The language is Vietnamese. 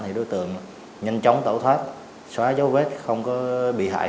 thì đối tượng nhanh chóng tẩu thoát xóa dấu vết không có bị hại